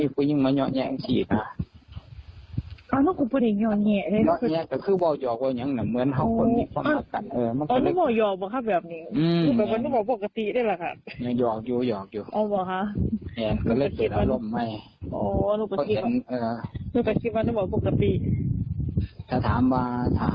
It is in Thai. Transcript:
ก็ถามว่า